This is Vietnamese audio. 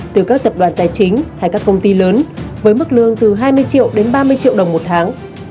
từ các tập đoàn tài chính hay các công ty lớn với mức lương từ hai mươi triệu đến ba mươi triệu đồng một tháng